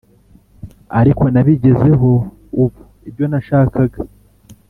ariko nabigezeho ubu ibyo nashakaga